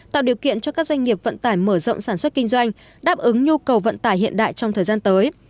tạo điều kiện cho các doanh nghiệp vận tải mở rộng sản xuất kinh doanh đáp ứng nhu cầu vận tải hiện đại trong thời gian tới